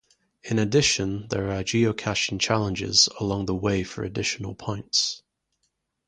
In addition there are geocaching challenges along the way for additional points.